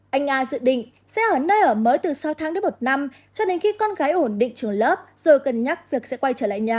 anh nga dự định sẽ ở nơi ở mới từ sáu tháng đến một năm cho đến khi con gái ổn định trường lớp rồi cần nhắc việc sẽ quay trở lại nhà